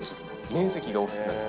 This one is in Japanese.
面積が大きくなります。